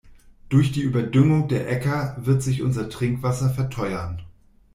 Durch die Überdüngung der Äcker wird sich unser Trinkwasser verteuern.